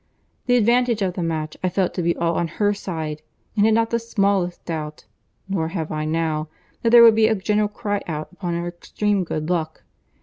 The advantage of the match I felt to be all on her side; and had not the smallest doubt (nor have I now) that there would be a general cry out upon her extreme good luck.